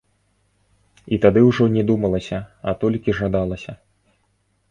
І тады ўжо не думалася, а толькі жадалася.